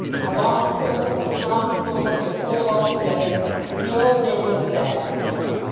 A long pull, a strong pull, and a pull altogether, and the old day will come back again.